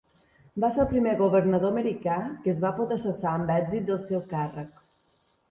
Va ser el primer governador americà que es va poder cessar amb èxit del seu càrrec.